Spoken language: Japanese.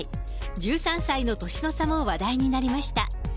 １３歳の年の差も話題になりました。